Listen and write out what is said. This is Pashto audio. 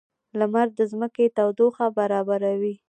• لمر د ځمکې تودوخه برابروي.